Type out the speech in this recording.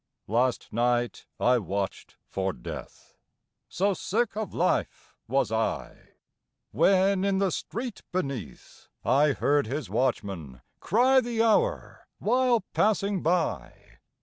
Last night I watched for Death So sick of life was I! When in the street beneath I heard his watchman cry The hour, while passing by.